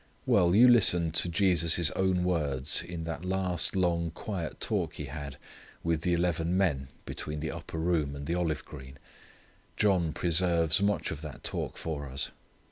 Well, you listen to Jesus' own words in that last long quiet talk He had with the eleven men between the upper room and the olive green. John preserves much of that talk for us.